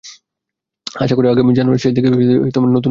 আশা করি, আগামী জানুয়ারির শেষ দিকে নতুন সেতু নির্মাণের কাজ শুরু হবে।